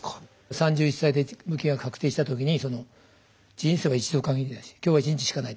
３１歳で無期が確定したときに「人生は一度限りだし今日は１日しかない。